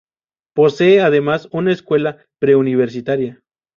Posee, además, una escuela preuniversitaria.